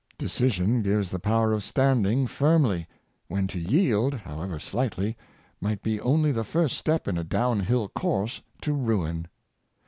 Decision gives the power of standing firmly, when to yield, however slightly, might be only the first step in a down hill course to ruin.